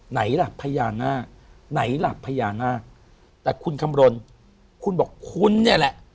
ไหนล่ะพญานาคไหนล่ะพญานาคแต่คุณคำรณคุณบอกคุณเนี่ยแหละ